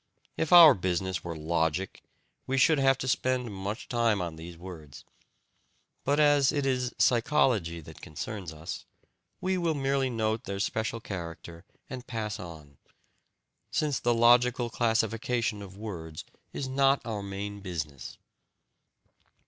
If our business were logic, we should have to spend much time on these words. But as it is psychology that concerns us, we will merely note their special character and pass on, since the logical classification of words is not our main business.